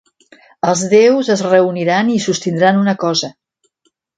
Els déus es reuniran i sostindran una cosa.